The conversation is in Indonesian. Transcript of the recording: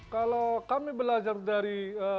kalau kami belajar dari